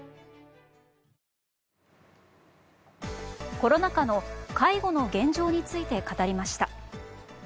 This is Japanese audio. コロナ禍の介護の現状について語りました。